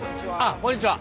こんにちは。